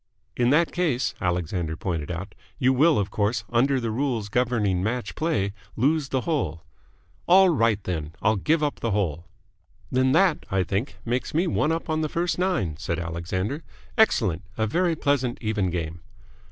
"In that case," Alexander pointed out, "you will, of course, under the rules governing match play, lose the hole." "All right, then. I'll give up the hole." "Then that, I think, makes me one up on the first nine," said Alexander. "Excellent! A very pleasant, even game."